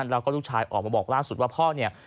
แล้วก็ลูกชายออกมาบอกล่าสุดว่าพ่อเนี่ย